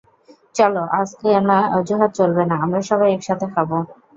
চলো আজ কোন অজুহাত চলবে না, আমরা সবাই একসাথে খাবো।